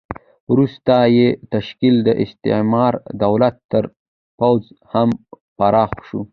وروسته یې تشکیل د استعماري دولت تر پوځ هم پراخ شو.